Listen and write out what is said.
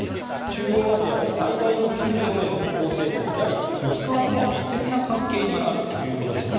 中央アジアで最大の旧ソ連の構成国でありモスクワとも密接な関係にあるということです。